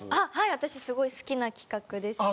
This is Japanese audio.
私すごい好きな企画でして。